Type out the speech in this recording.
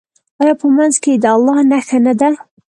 آیا په منځ کې یې د الله نښه نه ده؟